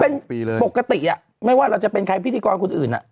เป็นปกติไม่ว่าเราจะเป็นพิธีกรของคนอื่น